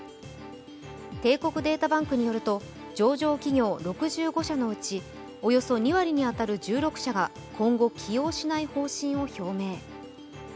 帝国データバンクによると上場企業６５社のうち、およそ２割に当たる１６社が今後、起用しない方針を表明。